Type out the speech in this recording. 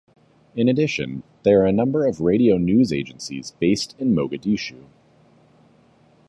In addition, there are a number of radio news agencies based in Mogadishu.